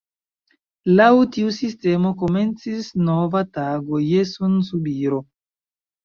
Laŭ tiu sistemo komencis nova tago je sunsubiro.